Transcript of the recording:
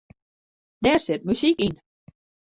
Dêr sit muzyk yn.